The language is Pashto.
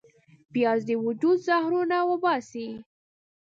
پیاز د وجود زهرونه وباسي